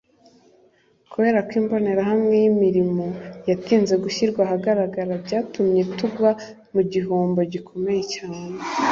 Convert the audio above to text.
Kubera ko Imbonerahamwe y imirimo yatinze gushyirwa ahagaragara byatumye tugwa mu gihombo gikomeye cyane